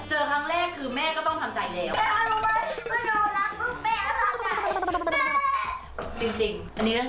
เจอครั้งแรกคือแม่ก็ต้องทำใจแล้ว